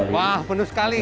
wah penuh sekali